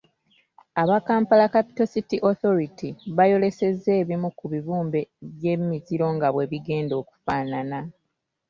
Aba Kampala Capital City Authority baayolesezza ebimu ku bibumbe by’emiziro nga bwe bigenda okufaanana.